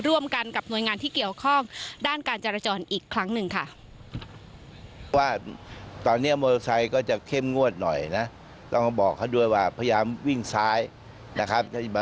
ว่าตอนนี้มอเตอร์ไซค์ก็จะเข้มงวดหน่อยนะต้องบอกเขาด้วยว่าพยายามวิ่งซ้ายนะครับ